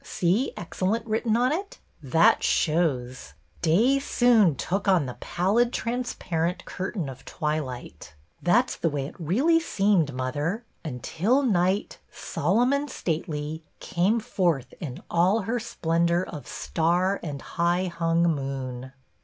See 'excellent' written on it? That shows ! 'Day soon took on the pallid transparent curtain of twi light,' — that 's the way it really seemed, mother, —' until night, solemn and stately, came forth in all her splendor of star and high hung moon